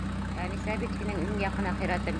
Әнисә бит һинең иң яҡын әхирәтең.